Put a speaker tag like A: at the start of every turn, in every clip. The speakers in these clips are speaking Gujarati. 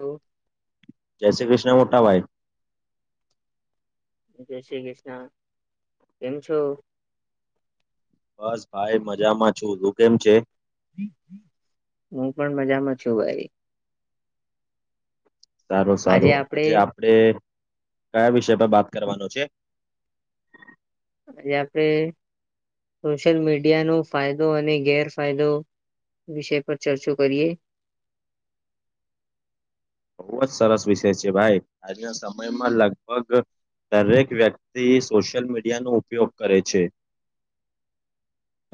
A: એવું
B: જય શ્રી ક્રષ્ણ મોટાભાઈ.
A: જય શ્રી ક્રષ્ણ, કેમ છો?
B: બસ ભાઈ મજામાં છું, તું કેમ છે?
A: હું પણ મજામાં છું ભાઈ.
B: સારુ, સારું, આજે આપડે કયા વિષય પર બાક કરવાનું છે.
A: આજે આપણે સોશિયલ મીડિયાનો ફાયદો અને ગેરફાયદો વિષય પર ચર્ચો કરીએ.
B: બહુ જ સરસ વિષય છે ભાઈ આજના સમયમાં લગભગ દરેક વ્યક્તિ સોશિયલ મીડિયાનો ઉપયોગ કરે છે.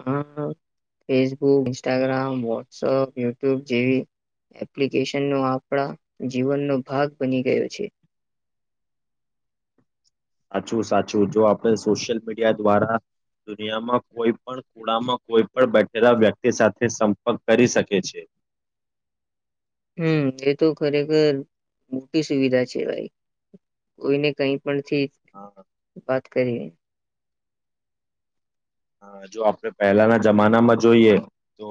A: હ અ ફેસબુક, ઇન્સ્ટાગ્રામ, વોટ્સઅપ, યુટ્યુબ જેવી એપ્લિકેશનનો આપણા જીવનનો ભાગ બની ગયો છે.
B: સાચું, સાચું, જો આપણે સોશિયલ મીડિયા દ્વારા દુનિયામાં કોઈ પણ ખુણામાં કોઈ પણ બેઠેલા વ્યક્તિ સાથે સંપર્ક કરી શકે છે.
A: હમ એ તો ખરેખર મોટી સુવિધા છે ભાઈ, કોઈને કંઈ પણ ઠીક વાત કરીએ
B: હા, જો આપણે પહેલાના જમાનામાં જોઈએ, તો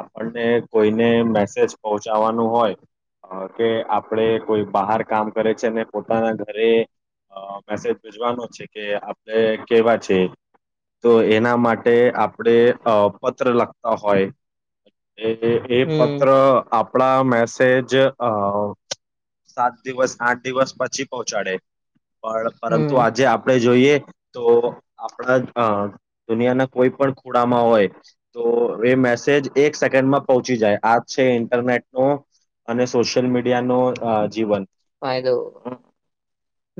B: આપણને કોઈને મેસેજ પહોંચાવાનું હોય અ કે આપણે કોઈ બહાર કામ કરે છે ને પોતાના ઘરે અ મેસેજ ભેજવાનો છે કે આપણે કેવા છે તો એ એના માટે આપડે અ પત્ર લખતા હોય એ એ એ
A: હમ
B: પત્ર આપ આપણા મેસેજ અ સાત દિવસ આઠ દિવસ પછી પહોંચાડે. પણ પરંતુ
A: હમ
B: આજે આપણે જોઈએ તો આપણા જ અ દુનિયાના કોઈ પણ ખુણામાં હોય, તો એ મેસેજ એક સેકન્ડમાં પહોંચી જાય આજ છે ઇન્ટરનેટનો, અને સોશિયલ મીડિયાનો અ જીવન.
A: ફાયદો,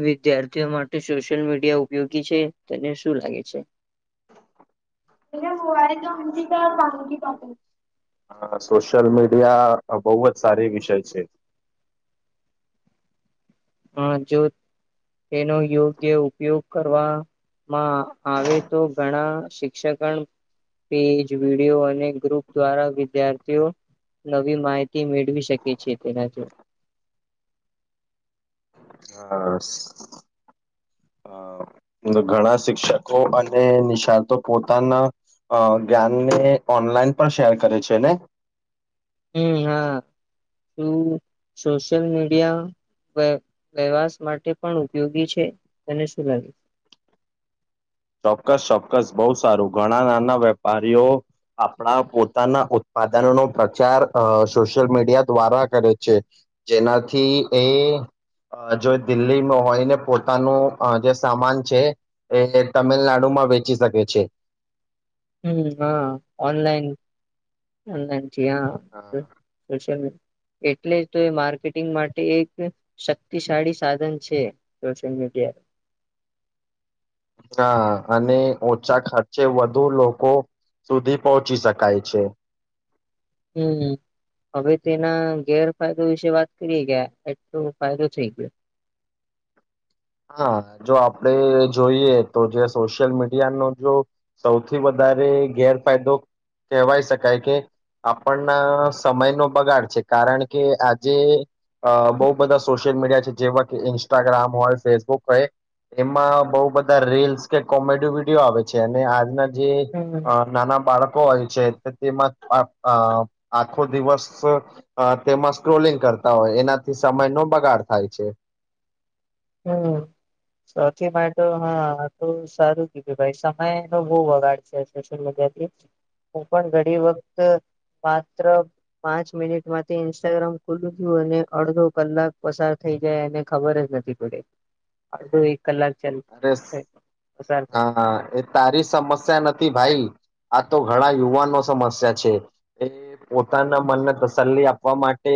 A: વિદ્યાર્થીઓ માટે સોશિયલ મીડિયા ઉપયોગી છે? તને શું લાગે છે.
B: [unintelligible] હા સોશિયલ મીડિયા પણ બોવ જ સારી વિષય છે.
A: અ જો તેનો યોગ્ય ઉપયોગ કરવા માં આવે તો ઘણા શિક્ષકણ તેજ વિડીયો અને ગ્રુપ દ્વારા વિદ્યાર્થીઓ, નવી માહિતી મેળવી શકે છે તેનાથી.
B: હ, ને ઘણા શિક્ષકો અને નિષ્ણાતો પોતાના, અ જ્ઞાનને ઓનલાઈન પણ શેર કરે છે ને.
A: હમ હા શું સોશિયલ મીડિયા વે વેવાસ માટે પણ ઉપયોગી છે, તને શું લાગે?
B: ચોક્કસ ચોક્કસ બહુ સારું ઘણા નાના વેપારીઓ, આપણા પોતાના ઉત્પાદનોનો પ્રચાર અ સોશિયલ મીડિયા દ્વારા કરે છે, જેનાથી એ અ જો દિલ્હીમાં હોયને પોતાનું જે અ સામાન છે એ તમિલનાડુમાં વેચી શકે છે.
A: હમ હા ઓનલાઈન, ઓનલાઇન. છે આ હમ પ્રાતસાહન મૂક એટલે જ તો એ માર્કેટિંગ માટે એક શક્તિશાળી સાધન છે સોશિયલ મીડિયા.
B: હા અને ઓછા ખર્ચે વધુ લોકો સુધી પહોંચી શકાય છે.
A: હમ, હવે તેના ગેરફાયદો વિશે વાત કરીએે ગયા એટલો ફાયદો થઈ ગયો.
B: હા જો આપણે જોઈએ તો જે સોશિયલ મીડિયાનો જો સૌથી વધારે ગેરફાયદો કહેવાય શકાય કે, આપણના સમય નો બગાડ છે કારણ કે આજે બહ બધા સોશિયલ મીડિયા છે જેવા કે ઇન્સ્ટાગ્રામ હોય ફેસબુક હોય, એમાં બઉુ બધા રીલ્સ કે કોમેડી વિડીયો આવે છે અને આજના જે
A: હમ
B: નાના બાળકો હોય છે. તેમાં આખો દિવસ તેમાં સ્ક્રોલિંગ કરતા હોય એનાથી સમય નો બગાડ થાય છે.
A: હમ, સૌથી માટે હા તો સારું કીધું ભાઈ સમયનો બહ વગાડ છે સોશિયલ મીડિયાથી, હું પણ ઘણી વખત માત્ર પાંચ મિનિટ માંથી ઇન્સ્ટાગ્રામ ખુલું તયું અને અડધો કલાક પસાર થઈ જાય એને ખબર જ નથી. પડે. કલાક ચાલ
B: અરે
A: પસાર થાય
B: હા એ તારી સમસ્યા નથી ભાઈ. આ તો ઘણા યુવાનનો સમસ્યા છે, એ ઉતા ના મનને તસલી આપ આપવા માટે,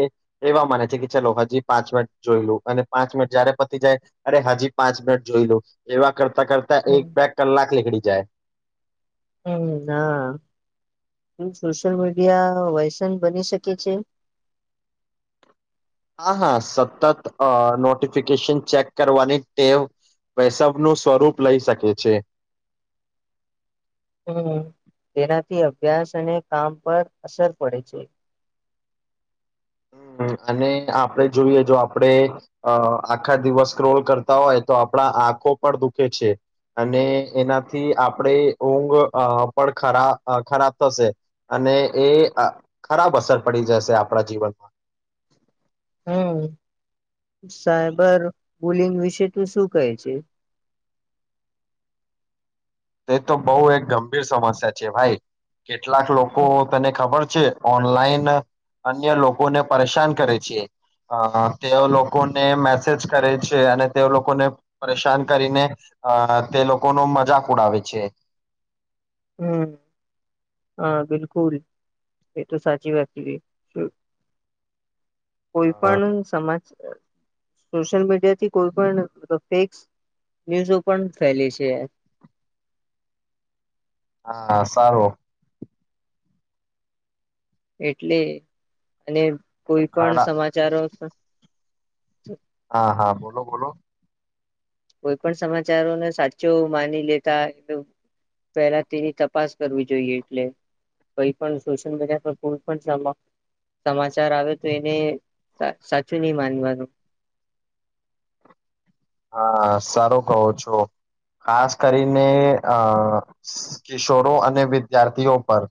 B: એવા માને છે કે ચલો હજી પાંચ મિનિટ જોઈ લો અને પાંચ મિનિટ જયારે પતી જાય અરે હજી પાંચ મિનિટ જોઈ લો. એવા કરતા કરતા
A: હમ
B: એક બેગ કલાક નીકડી જાય.
A: હમ હા, સોશિયલ મીડિયા વસન બની શકે છે?
B: હા હા સતત અ નોટિફિકેશન ચેક કરવાની ટેવ, વૈશવનું સ્વરૂપ લઈ શકે છે.
A: હમ તેનાથી અભ્યાસ અને કામ પર અસર પડે છે.
B: હ અને આપડણે જોઈએ જો આપડણે આખા દિવસ ક્રોળ કરતા હોય તો આપણા આંખો પણ દુખે છે, અને એનાથી આપણે ઊંઘ પણ ખરા ખરાબ થશે, અને એ ખરાબ અસર પડી જશે આપણા જીવનમાં.
A: હમ, સાયબર બુલિંગ વિશે ત શું કહે છે.
B: તે તો બહુ એક ગંભીર સમસ્યા છે ભાઈ. કેટલાક લોકો તને ખબર છે. ઓનલાઈન અન્ય લોકોને પરેશાન કરે છે, અ તે લોકોને મેસેજ કરે છે અને તે લોકોને પરેશાન કરીને, અ તે લોકોનો મજા ઉડાવ છે.
A: હમ, હા બિલકુલ, એતો સાચી વાત છે. કોઈ પણ સમાજ સોશિયલ મીડિયાથી કોઈ પણ ફેક ન્યુઝો પણ ફેલે છે.
B: હા સારું.
A: એટલે અને કોઈ પણ
B: ઘણા
A: સમાચારો [inaudible]
B: હા હા બોલો બોલો.
A: કોઈ પણ સમાચારોને સાચો માની લેતા એ પહેલા તેની તપાસ કરવી જોઈએ એટલે કોઈ પણ સોશિયલ મીડિયા પર કોઈ પણ સમાચાર આવે તો એને સાચું નહી માનવાનું.
B: હા સારું કહો છો ખાસ કરીને અ કિશોરો અને વિદ્યાર્થીઓ પર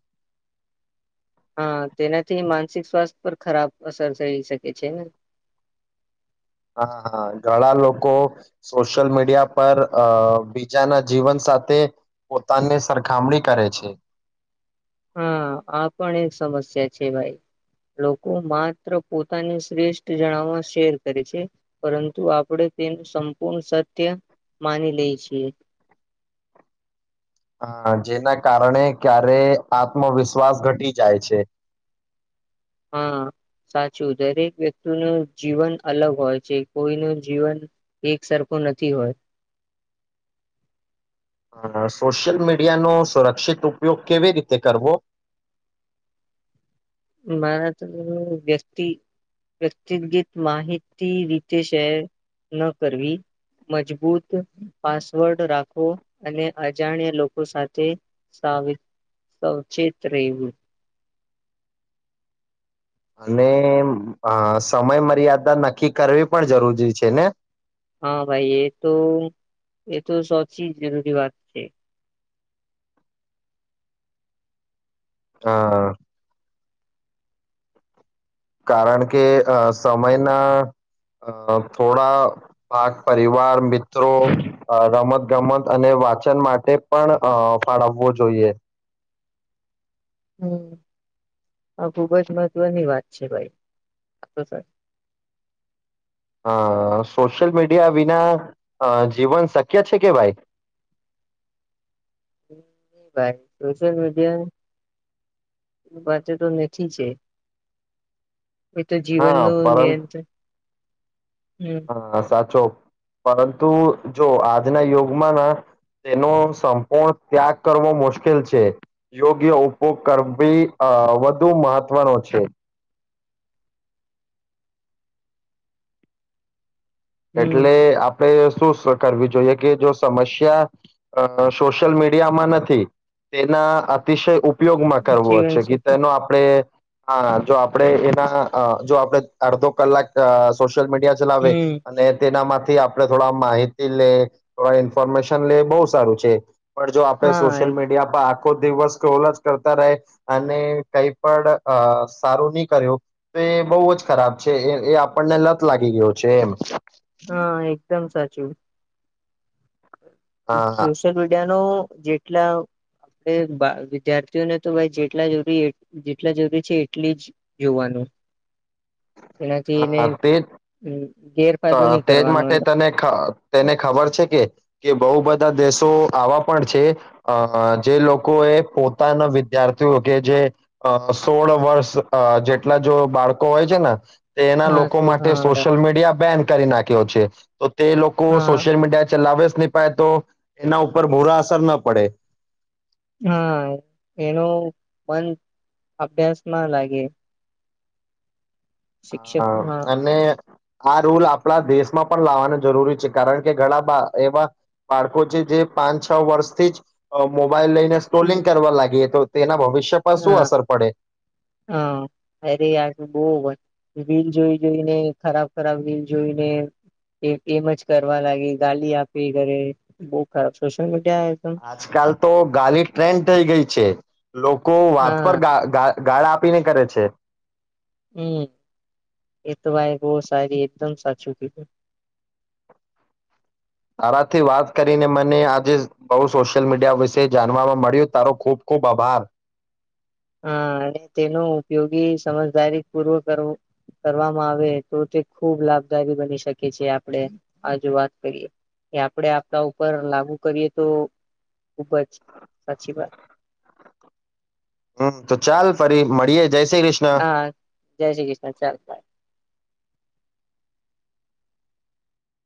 A: હા તેનાથી માનસિક સ્વાસ્થ્ય પર ખરાબ અસર થઈ શકે છે ને.
B: હા હા ઘણા લોકો સોશિયલ મીડિયા પર બીજાના જીવન સાથે પોતાની સરખામણી કરે છે.
A: હા આ પણ એક સમસ્યા છે ભાઈ લોકો માત્ર પોતાની શ્રેષ્ઠ જણાવવા શેર કરે છે પરંતુ આપણે તેનું સંપૂર્ણ સત્ય માની લે છીએ.
B: હ જેના કારણે ક્યારે આત્મવિશ્વાસ ઘટી જાય છે.
A: હા સાચું દરેક વ્યક્તિ ન જીવન અલગ હોય છે કોઈ નું જીવન એક સરખું નથી હોય.
B: સોશિયલ મીડિયા નો સુરક્ષિત ઉપયોગ કેવી રીતે કરવો.
A: મારા વ્યક્તિ વ્યક્તિગત માહિતી રીતે શેર ન કરવી મજબૂત પાસવર્ડ રાખવો અને અજાણ્યા લોકો સાથે સાવ સાવચેત રહેવું.
B: અને સમય મર્યાદા નક્કી કરવી પણ જરૂરી છે ને.
A: હા ભાઈ એ તો એ તો સચી જરૂરી વાત છે.
B: હા કારણ કે અ સમયના થોડા ભાગ પરિવાર મિત્રો રમત ગમત અને વાચન માટે પણ અ ફાળવવો જોઈએ.
A: હમ આ ખુબ જ મહત્વની વાત છે ભાઈ.
B: અ સોશિયલ મીડિયા વિના જીવન શક્ય છે કે ભાઈ
A: ભાઈ સોશિયલ મીડિયા વાચ તો નથી છે. એ તો જીવન
B: હા
A: ન
B: પરં
A: નિયંત્રણ હમ
B: હા સાચો પરંતુ જો આજના યુગમાં ના તેનો સંપૂર્ણ ત્યાગ કરવો મુશ્કેલ છે યોગ્ય ઉપયોગ કરવીી વધુ મહત્વનો છે.
A: હમ
B: એટલે આપડે કરવી જોઈએ કે જો સમસ્યા સોશિયલ મીડિયામાં નથી તેના અતિશય ઉપ. ઉપયોગમાં કરવો છે કે તેનો આપણેે હા જો આપડે એના જો આપડ અડધો કલાક સલ મીડિયા ચલાવે
A: હમ
B: તેનામાંથી આપણે થોડા માહિતી લે થોડા ઇન્ફોર્મેશન લે બહુ સારું છે. પણ જો આપણે
A: હા
B: સોશિયલ મીડિયા પર આખો દિવસ કે ઓલ જ કરતા રહે અને કઈ પણ સારું નહી કર્યું તો એ બહુ જ ખરાબ છે એ એ આપણને લત લાગી ગયો છે એમ. હ
A: હા એકદમ સાચ છે.
B: અ
A: સોશિયલ મીડિયા નું. જેટલા આપણે વિદ્યાર્થીઓને તો ભાઈ જેટલા જરૂરી જેટલા જરૂરી છે એટલી જ જોવાનું. એનાથી એને
B: હા તે જ
A: ગેર
B: તેજ માટે તને તેને ખબર છે કે કે બઉ બધા દેશો આવા પણ છે અ જે લોકો એ પોતાના વિદ્યાર્થીઓ કે જે અ સોળ વર્ષ અ જેટલા જો બાળકો હોય છે ને એના
A: હા
B: લોકો
A: શું
B: માટે
A: હા
B: સોશિયલ મીડિયા બેન કરી નાખ્યો છે. તો તે લોકો
A: હા
B: સોશિયલ મીડિયા ચલાવે નીપાયે તો એના ઉપર બુરા અસર ન પડે.
A: હા એનું મન અભ્યાસમાં લાગે. શિક્ષક હા
B: હ અને આ રૂલ આપડા દેશમાં પણ લાવવાનું જરૂરી છે. કારણ કે ઘણા એવા બાળકો છે જે પાંચ-છ વર્ષથી જ મોબાઈલ લઈને સ્ક્રોલિંગ કરવા લાગીએ તો તેના બ
A: હા, હા, અરે યાર બઉ વન રિલ જોઈ જોઈને ખરાબ ખરાબ રીલ જોઈને એ એમ જ કરવા લાગે. ગાલી આપે ઘરે બઉ ખરાબ. સોશ્યિલ મી
B: આજકાલ તો ગાલી ટ્રેન્ડ થઈ ગઈ છે. લોકો વાત પર
A: હા
B: ગા ગા ગાળ આપીને કરે છે.
A: હમ, એ તો ભાઈ બઉ સારી એકદમ સાચું કીધું.
B: તાથી વાત કરીને મને આજે બઉ સોશિયલ મીડિયા વિશે જાણવામાં મળ્યું. તારો ખૂબ ખૂબ આભાર.
A: હા અને તેનો ઉપયોગી સમજદારી પૂર્વક કર કરવામાં આવે તો તે ખૂબ લાભદાયી બની શકે છે. આપડે આ જ વાત કરીએ કે આપડે આપડા ઉપર લાગુ કરીએ તો ખુબ જ સાચી વાત.
B: હમ તો ચાલ ફરી મળીએે.
A: હા જય શ્રી કૃષ્ણ ચાલ ભાઈ.